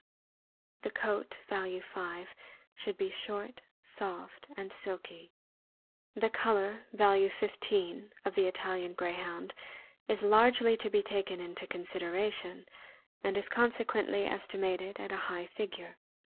The coat (value 5) should be short, soft, and silky. The color (value 15) of the Italian Greyhound is largely to be taken into consideration, and is consequently esti mated at a high figure.